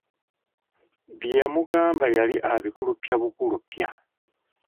Bye yamugamba yali abikuluppya bukuluppya.